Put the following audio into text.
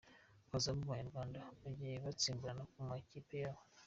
Abazamu b’abanyarwanda bagiye basimburana mu makipe yabo.